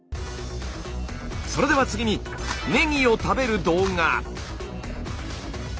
それでは次にねぎを食べる動画。